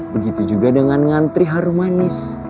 begitu juga dengan ngantri haru manis